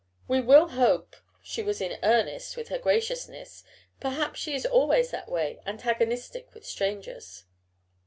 "We will hope she was in earnest with her graciousness perhaps she is always that way antagonistic with strangers."